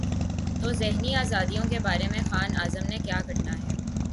تو ذہنی آزادیوں کے بارے میں خان اعظم نے کیا کرنا ہے۔